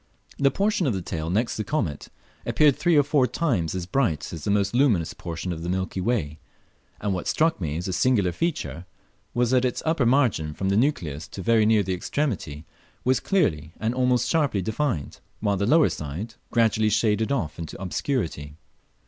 The portion of the tail next the comet appeared three or four tunes as bright as the most luminous portion of the milky way, and what struck me as a singular feature was that its upper margin, from the nucleus to very near the extremity, was clearly and almost sharply defined, while the lower side gradually shaded off into obscurity.